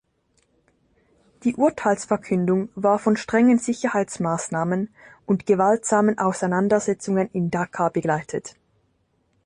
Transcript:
Die Urteilsverkündung war von strengen Sicherheitsmaßnahmen und gewaltsamen Auseinandersetzungen in Dhaka begleitet.